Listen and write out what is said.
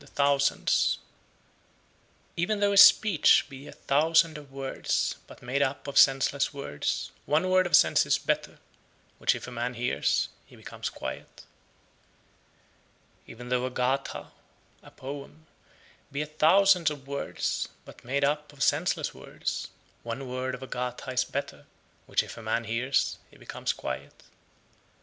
The Thousands 100. Even though a speech be a thousand (of words), but made up of senseless words, one word of sense is better, which if a man hears, he becomes quiet. 101. Even though a Gatha (poem) be a thousand (of words), but made up of senseless words, one word of a Gatha is better, which if a man hears, he becomes quiet. 102.